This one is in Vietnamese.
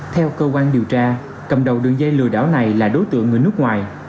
theo cơ quan điều tra cầm đầu đường dây lừa đảo này là đối tượng người nước ngoài